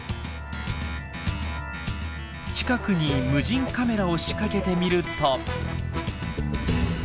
近くに無人カメラを仕掛けてみると。